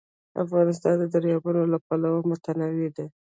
افغانستان د دریابونه له پلوه متنوع دی.